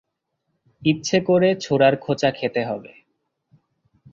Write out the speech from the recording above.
ইচ্ছে করে ছোড়ার খোঁচা খেতে হবে।